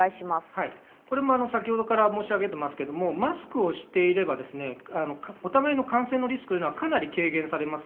先程から申し上げていますが、マスクをしていればお互いの感染のリスクはかなり軽減されます。